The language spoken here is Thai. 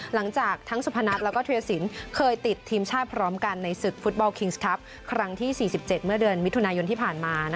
หลังจากทั้งสุพนัทแล้วก็เทียสินเคยติดทีมชาติพร้อมกันในศึกฟุตบอลคิงส์ครับครั้งที่๔๗เมื่อเดือนมิถุนายนที่ผ่านมา